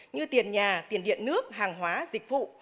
như tiền nhà tiền điện nước hàng hóa dịch vụ